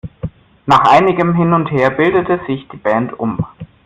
Nach einigem hin und her bildete sich die Band um.